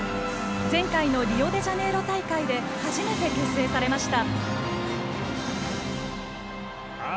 前回のリオデジャネイロ大会で初めて結成されました。